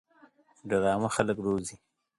ډرامه خلک روزي